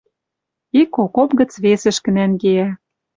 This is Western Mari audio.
Ик окоп гӹц весӹшкӹ нӓнгеӓ